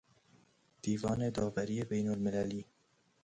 دیوان داوری بین المللی